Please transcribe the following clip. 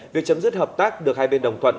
việc chấm dứt hợp tác được hai bên đồng thuận